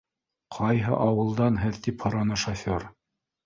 — Ҡайһы ауылдан һеҙ? — тип һораны шофер.